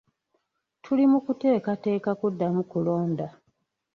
Tuli mu kuteekateeka kuddamu kulonda.